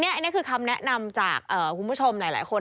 อันนี้คือคำแนะนำจากคุณผู้ชมหลายคน